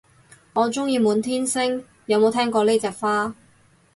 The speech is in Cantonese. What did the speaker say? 我鍾意滿天星，有冇聽過呢隻花